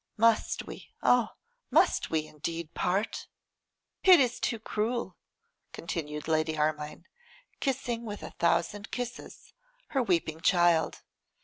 must we, oh! must we indeed part?' 'It is too cruel,' continued Lady Armine, kissing with a thousand kisses her weeping child.